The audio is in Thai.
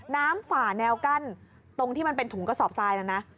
ฝ่าแนวกั้นตรงที่มันเป็นถุงกระสอบทรายแล้วนะ